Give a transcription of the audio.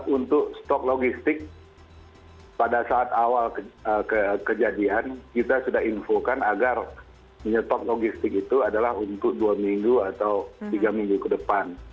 untuk stok logistik pada saat awal kejadian kita sudah infokan agar menyetop logistik itu adalah untuk dua minggu atau tiga minggu ke depan